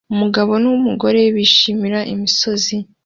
Umugabo numugore bishimira imisozi